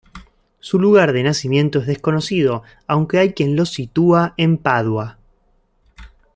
Su lugar de nacimiento es desconocido, aunque hay quien lo sitúa en Padua.